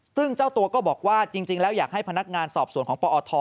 ซึ่งเจ้าตัวก็บอกว่าจริงแล้วอยากให้พนักงานสอบสวนของปอท